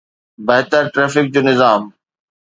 بهتر ٽرئفڪ جو نظام.